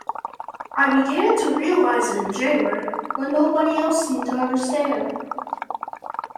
I began to realize it in January, but nobody else seemed to understand.